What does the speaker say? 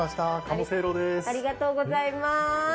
ありがとうございます。